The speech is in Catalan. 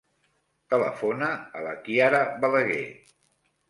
Telefona a la Kiara Balaguer.